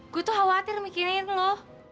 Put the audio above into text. gue tuh khawatir mikirin loh